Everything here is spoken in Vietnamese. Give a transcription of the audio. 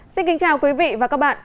xin kính chào quý vị và các bạn